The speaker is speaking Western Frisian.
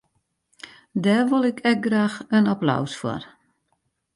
Dêr wol ik ek graach in applaus foar.